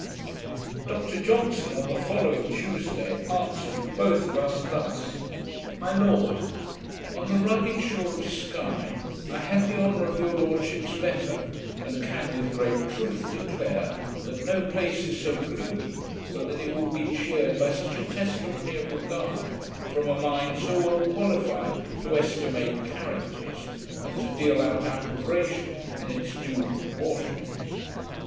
Dr Johnson, on the following Tuesday, answered for both of us, thus: My Lord, On the rugged shore of Skie, I had the honour of your lordship's letter, and can with great truth declare, that no place is so gloomy but that it would be cheered by such a testimony of regard, from a mind so well qualified to estimate characters, and to deal out approbation in its due proportions.